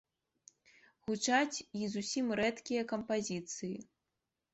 Гучаць і зусім рэдкія кампазіцыі.